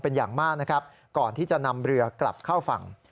เป็นอย่างมากนะครับก่อนที่จะนำเรือกลับเข้าฝั่ง